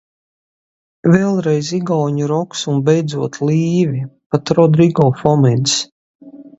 "Vēlreiz igauņu roks un beidzot "Līvi", pat Rodrigo Fomins."